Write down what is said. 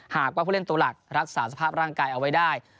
หากว่าผู้เล่นตัวหลักรักษาสภาพร่างกายเอาไว้ได้